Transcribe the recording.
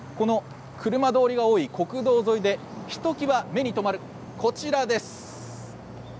車通りの多い国道沿いでひときわ目に留まるこちらです。